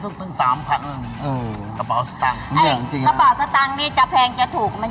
ซื้อเรื่องน้องไม้อะไรขนาดนั้น